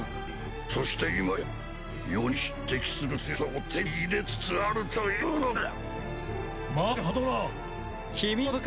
そしていまや余に匹敵する強さを手に入れつつあるというのか？